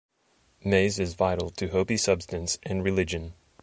Maize is vital to Hopi subsistence and religion.